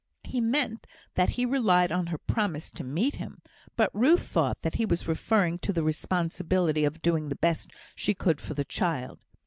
He meant that he relied on her promise to meet him; but Ruth thought that he was referring to the responsibility of doing the best she could for the child.